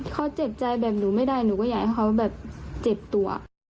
เขาเจ็บใจแบบหนูไม่ได้หนูก็อยากให้เขาแบบเจ็บตัว